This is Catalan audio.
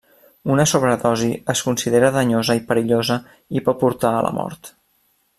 Una sobredosi es considera danyosa i perillosa i pot portar a la mort.